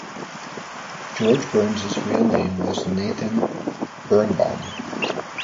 George Burns's real name was Nathan Birnbaum.